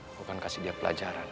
om akan kasih dia pelajaran